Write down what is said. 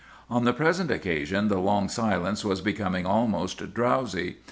"On the present occasion the long silence was becoming almost drowsy.